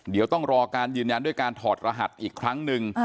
เดี๋ยวต้องรอการยืนยันด้วยการถอดรหัสอีกครั้งหนึ่ง